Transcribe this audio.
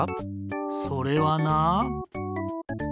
それはな。